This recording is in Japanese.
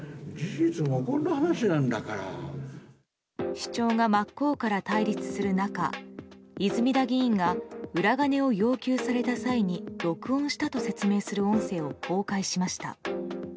主張が真っ向から対立する中泉田議員が裏金を要求された際に録音したと説明する音声を公開しました。